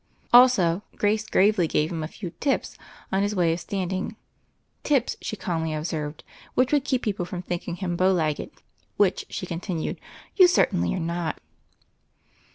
Also, Grace gravely gave him a few "tips" on his way of standing, "tips" she calmly observed, which would keep people from thinking him bowlegged, "which," she continued, "you cer tainly are not."